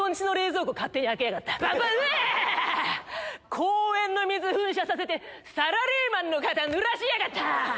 公園の水噴射させてサラリーマンの肩ぬらしやがった！